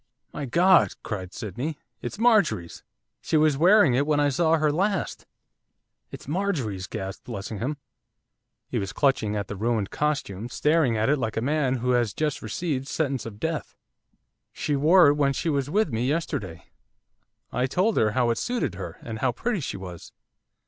'My God!' cried Sydney, 'it's Marjorie's! she was wearing it when I saw her last!' 'It's Marjorie's!' gasped Lessingham, he was clutching at the ruined costume, staring at it like a man who has just received sentence of death. 'She wore it when she was with me yesterday, I told her how it suited her, and how pretty it was!